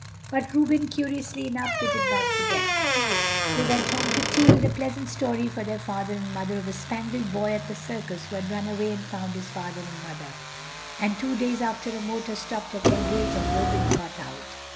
But Reuben, curiously enough, they did not forget: they went home to tea with a pleasant story for their father and mother of a Spangled Boy at the circus who had run away and found his father and mother. And two days after a motor stopped at their gate and Reuben got out.